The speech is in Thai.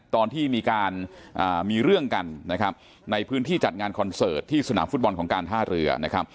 ตอนที่มีการมีเรื่องกันนะครับในพื้นที่จัดงานคอนเสิร์ตที่สนามฟุตบอลของการท่าเรือนะครับ